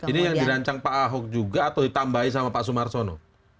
ini yang dirancang pak ahok juga atau ditambahi sama pak sumarsono